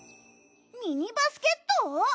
ミニバスケット？